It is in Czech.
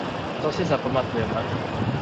To si zapamatujeme.